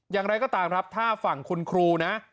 อย่างไรก็ตามครับถ้าฝั่งคุณครูนะ